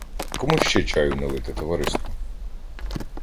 Кому ще чаю налити, товариство?